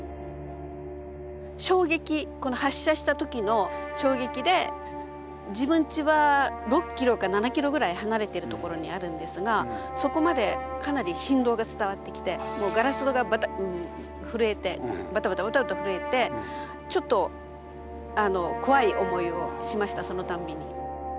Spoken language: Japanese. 衝撃この発射した時の衝撃で自分ちは６キロか７キロぐらい離れてるところにあるんですがそこまでかなり振動が伝わってきてもうガラス戸が震えてバタバタバタバタ震えてちょっと怖い思いをしましたそのたんびに。